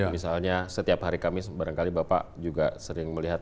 misalnya setiap hari kamis barangkali bapak juga sering melihat